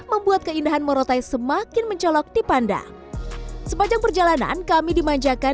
membuat keindahan morotai semakin mencolok dipandang sepanjang perjalanan kami dimanjakan